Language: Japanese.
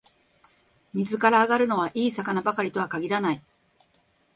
水から揚がるのは、いい魚ばかりとは限らない